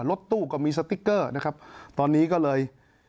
รถตู้ก็มีสติ๊กเกอร์นะครับตอนนี้ก็เลย